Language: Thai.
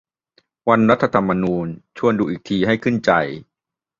วันรัฐธรรมนูญ ชวนดูอีกทีให้ขึ้นใจ